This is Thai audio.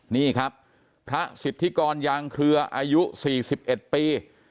นี่ครับพระสิทธิกรยางเครืออายุ๔๑ปี